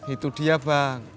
itu dia bang